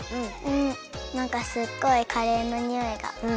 なんかすっごいカレーのにおいが。